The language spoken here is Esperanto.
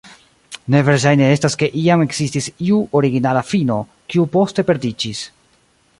Ne verŝajne estas, ke iam ekzistis iu originala fino, kiu poste perdiĝis.